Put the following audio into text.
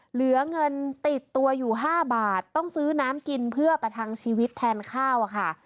เหลือเงินติดตัวอยู่๕บาทต้องซื้อน้ำกินเพื่อประทังชีวิตแทนข้าวอะค่ะ